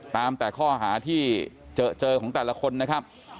ตามแต่ข้อหาที่เจอของแต่ละคนนะครับ